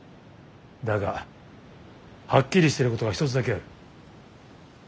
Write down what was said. だがはっきりしてることが一つだけある。